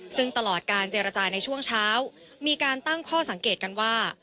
ซึ่งตลอดการเจรจาในช่วงเช้ามีการตั้งข้อสังเกตกันว่า